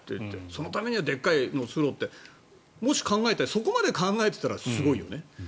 そのためにはでっかいのを作ろうってもし、考えてそこまで考えていたらすごいよね。